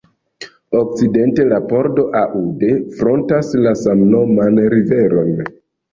Okcidente, la pordo Aude frontas la samnoman riveron.